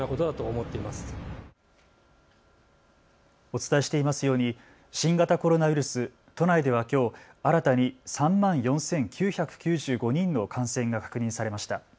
お伝えしていますように新型コロナウイルス、都内ではきょう新たに３万４９９５人の感染が確認されました。